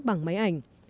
bằng máy ảnh